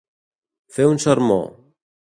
Fer un sermó.